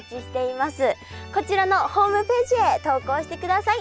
こちらのホームページへ投稿してください。